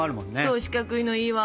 そう四角いのいいわ。